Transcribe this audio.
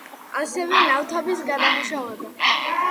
ასევე ნავთობის გადამუშავება.